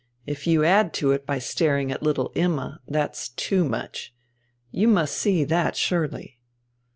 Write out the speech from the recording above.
If you add to it by staring at little Imma, that's too much. You must see that, surely?"